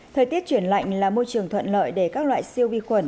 thời tiết chuyển lạnh là môi trường thuận lợi để các loại siêu vi khuẩn